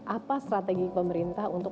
apa strategi pemerintah untuk